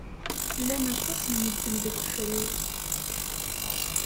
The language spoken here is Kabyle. Llan aṭas n medden deg wefrag.